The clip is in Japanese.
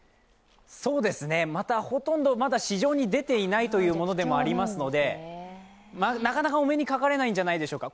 まだほとんど市場に出ていないというものでもありますのでなかなかお目にかかれないんじゃないでしょうか。